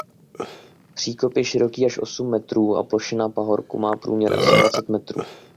Příkop je široký až osm metrů a plošina pahorku má průměr asi dvacet metrů.